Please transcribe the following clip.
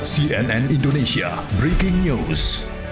cnn indonesia breaking news